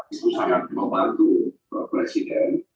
itu sangat membantu presiden